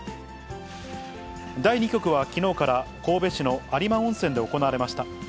第２局はきのうから、神戸市の有馬温泉で行われました。